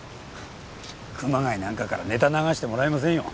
熊谷なんかからネタ流してもらいませんよ。